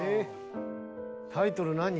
タイトル何？